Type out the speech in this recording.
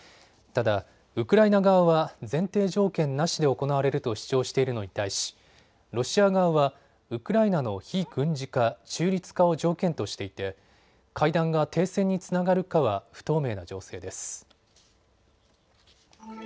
ただウクライナ側は前提条件なしで行われると主張しているのに対しロシア側はウクライナの非軍事化、中立化を条件としていて会談が停戦につながるかは不透明な情勢です。